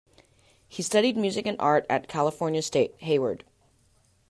He studied music and art at California State, Hayward.